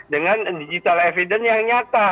dengan digital evidence yang nyata